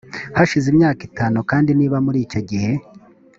hashize imyaka itanu kandi niba muri icyo gihe